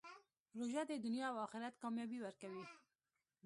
روژه د دنیا او آخرت کامیابي ورکوي.